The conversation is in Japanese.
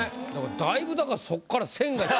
だいぶだからそっから線が。